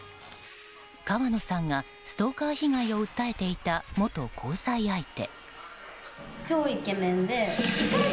川野さんが、ストーカー被害を訴えていた元交際相手。